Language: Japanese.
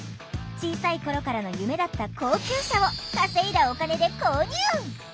小さい頃からの夢だった高級車を稼いだお金で購入！